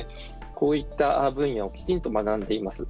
こういった分野をきちんと学んでいます。